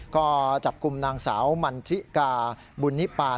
ก็จับกลุ่มนางสาวมันทิกาบุญนิปาน